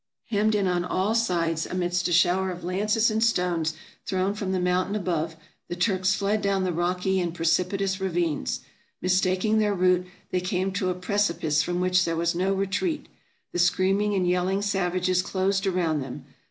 Hemmed in on all sides, amidst a shower of lances and stones thrown from the mountain above, the Turks fled down the rocky and precipi tous ravines. Mistaking their route, they came to a preci pice from which there was no retreat. The screaming and yelling savages closed around them.